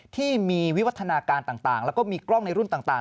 ที่มีวิวัฒนาการต่างแล้วก็มีกล้องในรุ่นต่าง